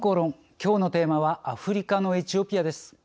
きょうのテーマはアフリカのエチオピアです。